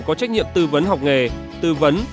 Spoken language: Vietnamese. có trách nhiệm tư vấn học nghề tư vấn